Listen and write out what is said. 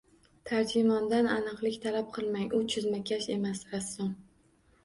Tarjimondan aniqlik talab qilmang. U chizmakash emas, rassom!